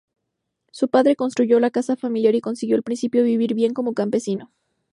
Su padre construyó la casa familiar y consiguió al principio vivir bien como campesino.